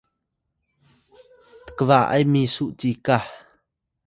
kba’ay misu cikah